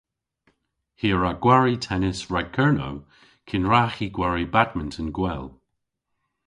Hi a wra gwari tennis rag Kernow kyn hwra hi gwari badminton gwell.